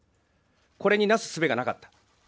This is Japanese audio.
これになすすべがなかった。